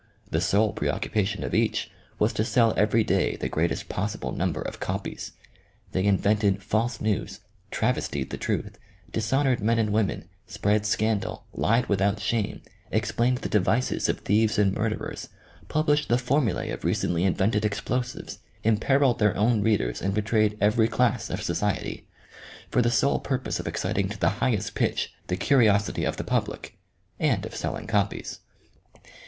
The sole preoccupation of each was to sell every day the greatest possible number of copies. They in vented false news, travestied the truth, dishonored men and women, spread scandal, lied without shame, explained the devices of thieves and murderers, published the for mulae of recently invented explosives, imperilled their own readers and betrayed every class of society, for the sole purpose of exciting to the highest pitch the curi osity of the public and of "selling copies."